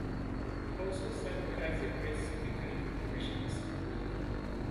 He also served as the press secretary for the Russian Superleague.